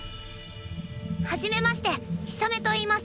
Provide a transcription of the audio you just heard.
初めましてヒサメといいます。